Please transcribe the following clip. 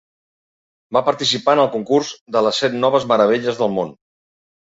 Va participar en el concurs de les Set noves meravelles del món.